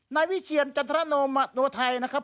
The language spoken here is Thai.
นายวิเชียรจันทรโนมโนไทยนะครับ